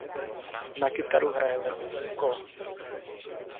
Na kytaru hraje levou rukou.